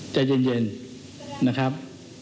ใจเย็นนะครับ